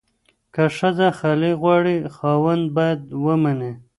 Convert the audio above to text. که ښځه خلع غواړي، خاوند باید ومني.